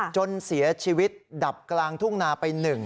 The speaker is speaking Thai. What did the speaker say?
จนเสียชีวิตดับกลางทุ่งนาไป๑